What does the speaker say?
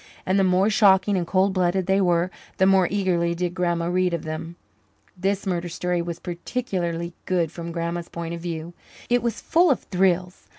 And the more shocking and cold blooded they were, the more eagerly did Grandma read of them. This murder story was particularly good from Grandma's point of view; it was full of "thrills."